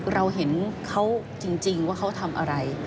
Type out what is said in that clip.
เราเห็นเขาจริงว่าเขาทำอะไร